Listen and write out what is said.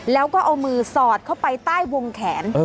แล้วก็เอามือสอดเข้าไปใต้วงแขน